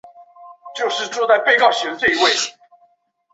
渝北区交通便捷。